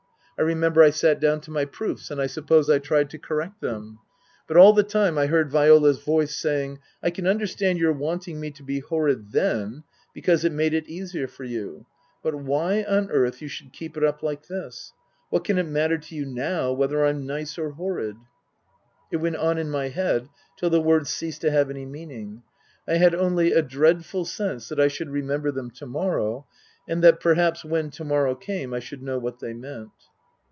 I remember I sat down to my proofs, and I suppose I tried to correct them. But all the time I heard Viola's voice saying, " I can understand your wanting me to be horrid then, because it made it easier for you. ... But why on earth you should keep it up like this ! What can it matter to you now whether I'm nice or horrid ?" It went on in my head till the words ceased to have any meaning. I had only a dreadful sense that I should re member them to morrow, and that perhaps when to morrow came I should know what they meant.